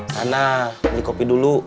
sana beli kopi dulu